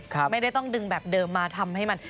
ไม่ได้ต้องดึงแบบเดิมมาทำให้มัน